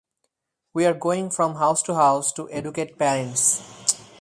We are going from house to house to educate parents.